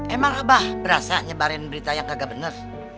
emang apa berasa nyebarin berita yang gak bener